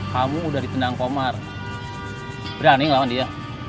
kamu udah ditendang komar berani melawan dia